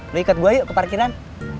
lo ikut gue yuk ke parkiran